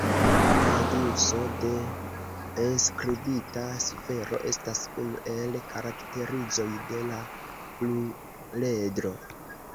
Radiuso de enskribita sfero estas unu el karakterizoj de la pluredro.